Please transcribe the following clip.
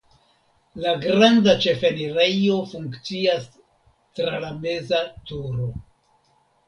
La granda ĉefenirejo funkcias tra la meza turo.